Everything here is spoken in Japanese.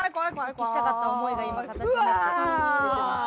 復帰したかった思いが今形になって出てます。